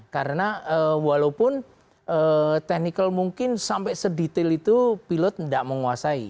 karena walaupun teknikal mungkin sampai sedetail itu pilot tidak menguasai